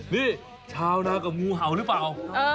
นี่ชาวนากับงูเห่าหรือเปล่า